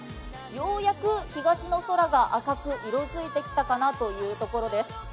ようやく東の空が明るく色づいてきたかなという状態です。